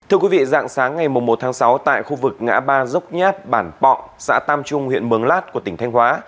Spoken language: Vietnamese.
thưa quý vị dạng sáng ngày một một sáu tại khu vực ngã ba dốc nhát bản pọ xã tam trung huyện mướng lát của tỉnh thanh hóa